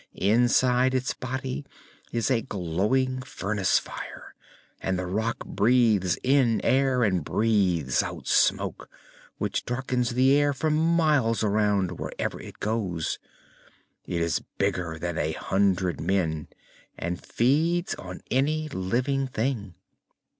Inside its body is a glowing furnace of fire, and the Rak breathes in air and breathes out smoke, which darkens the sky for miles around, wherever it goes. It is bigger than a hundred men and feeds on any living thing."